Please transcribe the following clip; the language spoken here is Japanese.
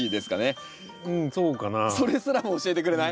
それすらも教えてくれない。